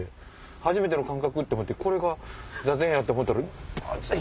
初めての感覚！って思ってこれが坐禅やと思ったらバン！